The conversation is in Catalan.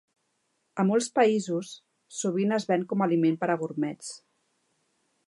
A molts països, sovint es ven com a aliment per a gurmets.